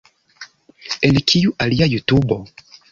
En kiu alia jutubo?